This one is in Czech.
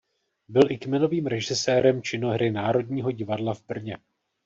Byl i kmenovým režisérem činohry Národního divadla v Brně.